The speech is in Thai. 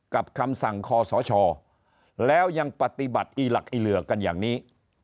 คำสั่งคอสชแล้วยังปฏิบัติอีหลักอีเหลือกันอย่างนี้